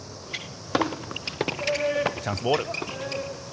チャンスボール。